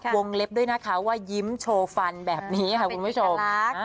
วงเล็บด้วยนะคะว่ายิ้มโชว์ฟันแบบนี้ค่ะคุณผู้ชมค่ะ